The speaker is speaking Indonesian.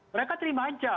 mereka terima saja